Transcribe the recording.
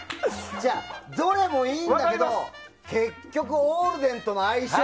どれもいいんだけど結局オールデンとの相性。